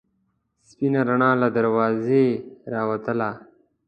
سپینه رڼا له دروازې راوتله.